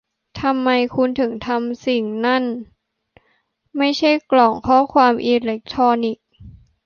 ทำไมคุณถึงทำสิ่งนี้นั่นไม่ใช่กล่องข้อความอิเล็กทรอนิกส์